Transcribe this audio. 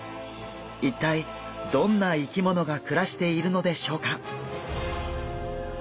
一体どんな生き物が暮らしているのでしょうか？